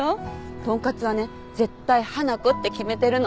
とんかつはね絶対花子って決めてるの。